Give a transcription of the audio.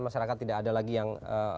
masyarakat tidak ada lagi yang